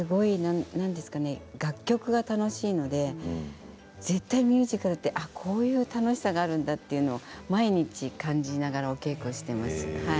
楽曲が楽しいので絶対にミュージカルってこういう楽しさがあるんだというの毎日感じながらお稽古をしています。